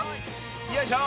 よいしょ！